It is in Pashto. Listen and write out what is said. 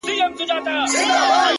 • چي وهل یې د سیند غاړي ته زورونه,